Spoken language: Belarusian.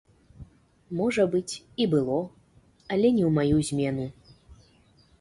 Можа быць, і было, але не ў маю змену.